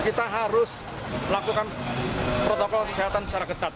kita harus melakukan protokol kesehatan secara ketat